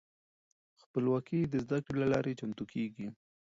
خپلواکې د زده کړې له لارې چمتو کیږي.